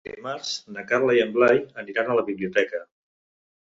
Dimarts na Carla i en Blai aniran a la biblioteca.